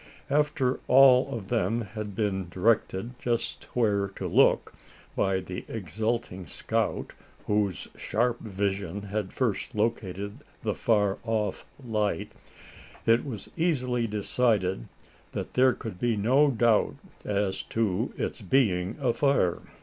After all of them had been directed just where to look, by the exulting scout whose sharp vision had first located the far off light, it was easily decided that there could be no doubt as to its being a fire.